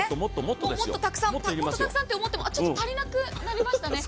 もっとたくさん、もっとたくさんと思って、ちょっと足りなくなりましたね。